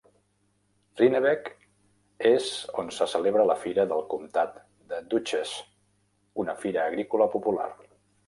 Rhinebeck és on se celebra la fira del comtat de Dutchess, una fira agrícola popular.